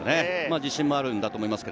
自信もあるんだと思います。